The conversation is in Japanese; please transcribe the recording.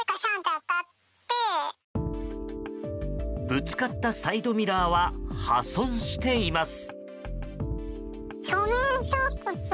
ぶつかったサイドミラーは破損しています。